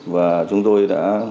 và chúng tôi đã